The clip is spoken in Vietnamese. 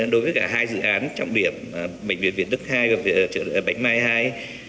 đối với cả hai dự án trọng điểm bệnh viện việt đức hai và bệnh mai hai